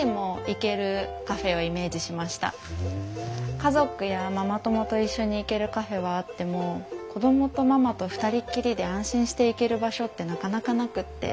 家族やママ友と一緒に行けるカフェはあっても子供とママと二人っきりで安心して行ける場所ってなかなかなくって。